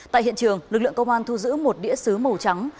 tại hiện trường lực lượng công an thu giữ một đĩa xứ màu trắng